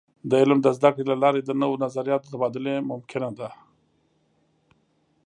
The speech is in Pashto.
د علم د زده کړې له لارې د نوو نظریاتو د تبادلې ممکنه ده.